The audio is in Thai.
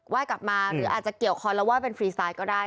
ไหว้กลับมาหรืออาจจะเกี่ยวคอนแล้วไหว้เป็นฟรีไสต์ก็ได้